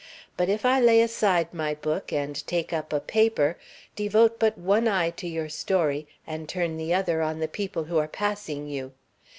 But if I lay aside my book and take up a paper, devote but one eye to your story and turn the other on the people who are passing you.